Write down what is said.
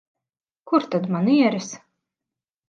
Kur tad manieres?